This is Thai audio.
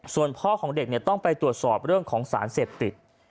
ส่วนพ่อของเด็กต้องไปตรวจสอบเรื่องของสารเสพติด